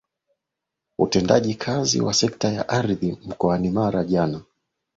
utendaji kazi wa sekta ya ardhi mkoani Mara jana